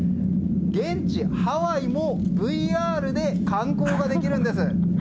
現地ハワイもＶＲで観光ができるんです。